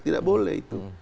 tidak boleh itu